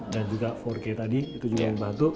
dan juga empat k tadi itu juga membantu